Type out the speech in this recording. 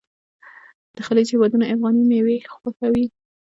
د خلیج هیوادونه افغاني میوې خوښوي.